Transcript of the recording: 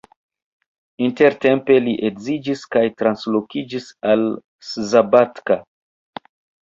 Intertempe li edziĝis kaj translokiĝis al Szabadka.